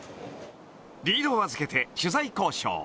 リードを預けて取材交渉